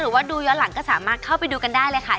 หรือว่าดูย้อนหลังก็สามารถเข้าไปดูกันได้เลยค่ะ